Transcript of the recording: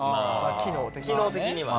機能的には。